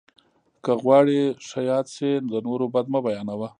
که غواړې ښه یاد سې، د نور بد مه بيانوه!